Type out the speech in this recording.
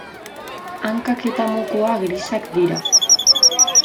Hankak eta mokoa grisak dira.